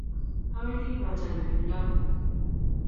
Awendi pataben filamu